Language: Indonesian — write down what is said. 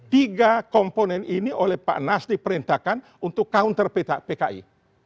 tiga komponen ini oleh pak nas diperintahkan untuk counter pki